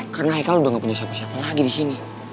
karena haikal udah gak punya siapa siapa lagi di sini